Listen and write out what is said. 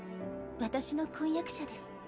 私の婚約者です